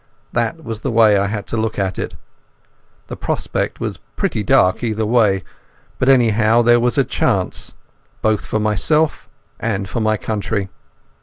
That was the way I had to look at it. The prospect was pretty dark either way, but anyhow there was a chance, both for myself and for my country.